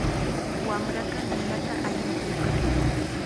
Wamraqa ninata allim puukan.